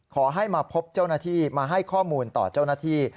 ขอให้มาพบเจ้าหน้าที่มาให้ข้อมูลต่อเจ้าหน้าที่